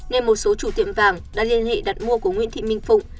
nên một số chủ tiệm vàng đã liên hệ đặt mua của nguyễn thị minh phụng